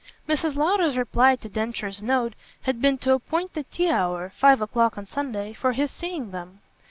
Mrs. Lowder's reply to Densher's note had been to appoint the tea hour, five o'clock on Sunday, for his seeing them.